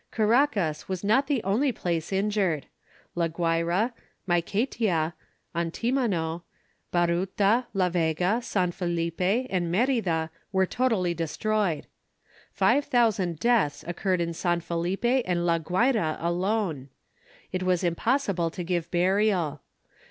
Caracas was not the only place injured. La Guayra, Mayquetia, Antimano, Baruta, La Vega, San Felipe, and Merida were totally destroyed. Five thousand deaths occurred at San Felipe and La Guayra alone. It was impossible to give burial.